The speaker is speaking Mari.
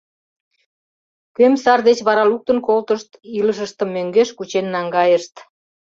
Кӧм сар деч вара луктын колтышт — илышыштым мӧҥгеш кучен наҥгайышт.